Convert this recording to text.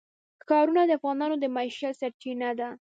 ښارونه د افغانانو د معیشت سرچینه ده.